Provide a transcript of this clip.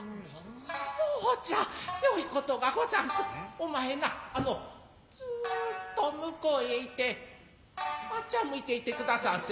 お前なずっと向うへ行てあっちゃ向いていて下さんせ。